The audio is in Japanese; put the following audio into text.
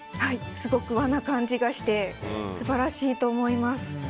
すごく和な感じがして素晴らしいと思います。